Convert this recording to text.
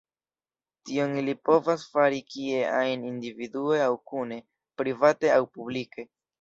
Tion ili povas fari kie ajn, individue aŭ kune, private aŭ publike.